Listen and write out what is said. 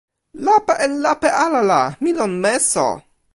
lape en lape ala la, mi lon meso.